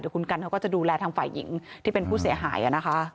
คุณกันเขาก็จะดูแลทางฝ่ายหญิงที่เป็นผู้เสียหายนะคะ